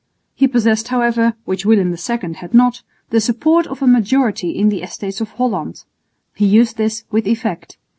He possessed however, which William II had not, the support of a majority in the Estates of Holland. He used this with effect.